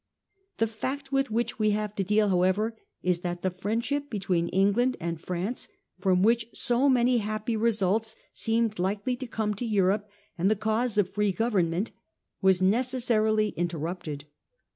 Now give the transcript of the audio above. The fact with which we have to deal, however, is that the friendship between England and France, from which so many happy results seemed likely to come to Europe and the cause of free government, was necessarily inter rupted.